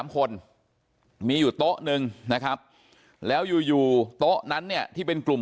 ๓คนมีอยู่โต๊ะหนึ่งนะครับแล้วอยู่โต๊ะนั้นเนี่ยที่เป็นกลุ่ม